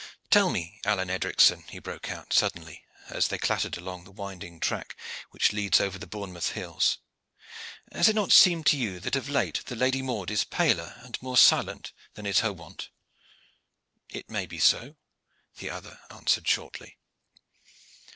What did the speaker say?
"Tell me Alleyne Edricson," he broke out, suddenly, as they clattered along the winding track which leads over the Bournemouth hills, "has it not seemed to you that of late the Lady Maude is paler and more silent than is her wont?" "It may be so," the other answered shortly.